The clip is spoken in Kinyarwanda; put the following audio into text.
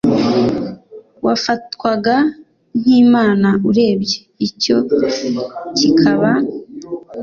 wafatwaga nk imana urebye icyo kikaba